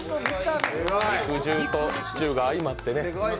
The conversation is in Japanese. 肉汁とシチューが相まってね。